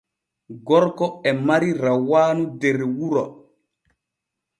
Gorko e mari rawaanu der wuro.